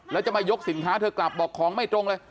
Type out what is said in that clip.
แล้วจะมายกสินค้าเธอกลับบอกของไม่ตรงเลย